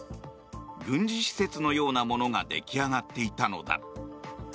軍事施設のようなものが出来上がっていたのだ。